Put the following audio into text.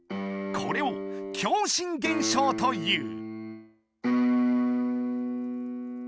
これを「共振現象」という。